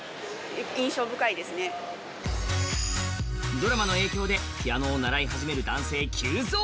ドラマの影響でピアノを習い始める男性が急増。